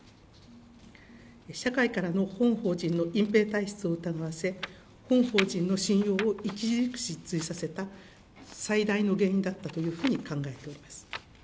社会からの本法人の隠蔽体質を疑わせ、本法人の信用を著しく失墜させた最大の原因だったというふうに考えております。